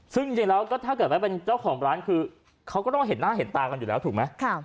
ซึ่งจริงแล้วก็ถ้าเกิดว่าเป็นเจ้าของร้านคือเขาก็ต้องเห็นหน้าเห็นตากันอยู่แล้วถูกไหม